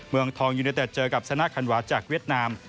เมืองทองยูเนเต็ดเจอกับชนะคันวาจากเวียดนาม